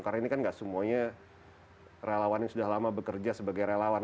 karena ini kan nggak semuanya relawan yang sudah lama bekerja sebagai relawan